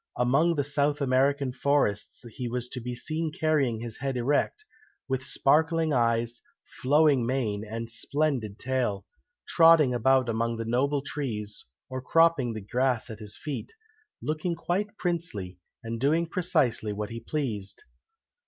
"Among the South American forests he was to be seen carrying his head erect, with sparkling eyes, flowing mane, and splendid tail, trotting about among the noble trees, or cropping the grass at his feet, looking quite princely, and doing precisely what he pleased."